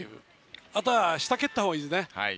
あとは、下蹴ったほうがいいね。